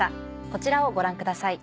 こちらをご覧ください。